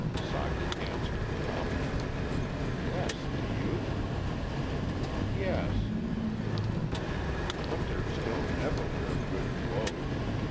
Socky answered, promptly, "Yes; do you?" "Yes." "Hunters don't never wear good clothes."